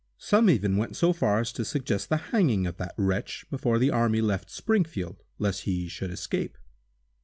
Some even went so far as to suggest the hanging of that wretch before the army left Springfield, lest he should escape.